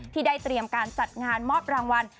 ที่ได้เตรียมการจัดงานมอบรางวัล